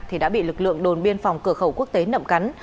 thì đã bị lực lượng đồn biên phòng cửa khẩu quốc tế nậm cắn